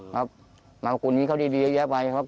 น้ำสกุลนี้เขาด้วยเยอะแยะบางอย่างครับ